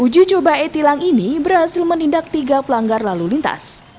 uji coba e tilang ini berhasil menindak tiga pelanggar lalu lintas